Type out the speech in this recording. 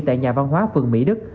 tại nhà văn hóa phường mỹ đức